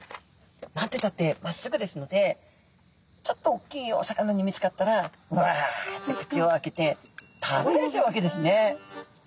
何てったってまっすぐですのでちょっと大きいお魚に見つかったらわっと口を開けて食べられちゃうわけですね。